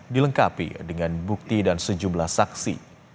dilengkapi dengan bukti dan sejumlah saksi